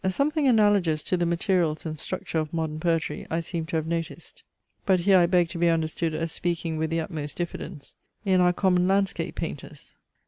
Something analogous to the materials and structure of modern poetry I seem to have noticed (but here I beg to be understood as speaking with the utmost diffidence) in our common landscape painters.